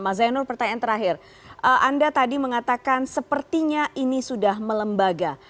mas zainul pertanyaan terakhir anda tadi mengatakan sepertinya ini sudah melembaga